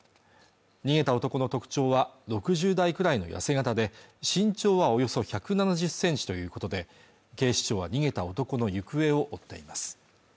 逃げた男の特徴は６０代くらいの痩せ型で身長はおよそ１７０センチということで警視庁は逃げた男の行方を追っています